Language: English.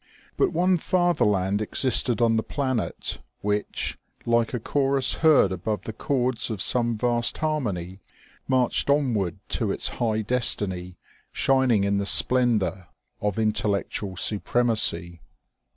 But one fatherland existed on the planet, which, like a chorus heard above the chords of some vast harmony, inarched onward to its high destiny, shining in the splen dor of intellectual supremacy.